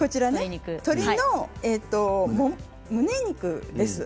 鶏のむね肉ですね。